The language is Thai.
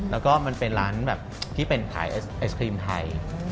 แล้วก็มันเป็นร้านแบบที่เป็นขายไอศครีมไทย